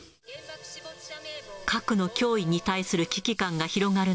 核の脅威に対する危機感が広がる